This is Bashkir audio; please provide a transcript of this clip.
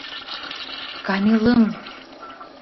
Камилым!